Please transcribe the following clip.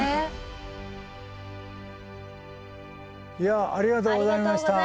いやありがとうございました。